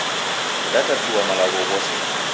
Datatua malagho ghose